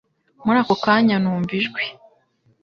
Muri ako kanya numva ijwi